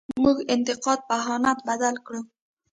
موږ انتقاد په اهانت بدل کړو.